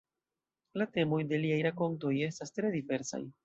La temoj de liaj rakontoj estas tre diversaj.